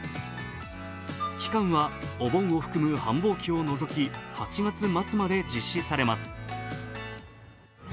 期間はお盆を含む繁忙期を除き、８月末まで実施されます。